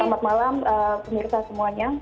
selamat malam pemirsa semuanya